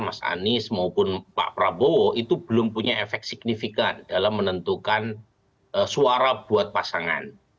mas anies maupun pak prabowo itu belum punya efek signifikan dalam menentukan suara buat pasangan